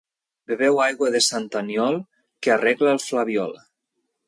Beveu aigua de sant Aniol, que arregla el flabiol.